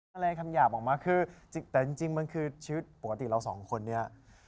อะไรคำหยาบออกมาคือแต่จริงมันคือชีวิตปกติเราสองคนนี้